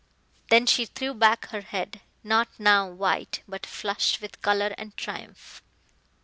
Then she threw back her head, not now white, but flushed with color and triumph.